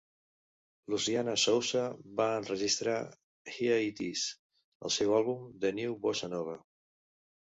Luciana Souza va enregistrar "Here It Is" al seu àlbum "The New Bossa Nova.